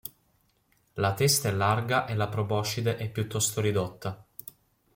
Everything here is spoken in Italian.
La testa è larga e la proboscide è piuttosto ridotta.